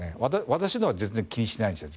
私共は全然気にしてないですよ